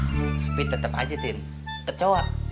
tapi tetep aja tien kecoh kacauan